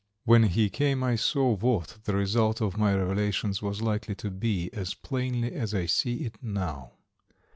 When he came I saw what the result of my revelations was likely to be as plainly as I see it now.